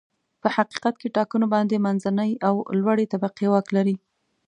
په حقیقت کې ټاکنو باندې منځنۍ او لوړې طبقې واک لري.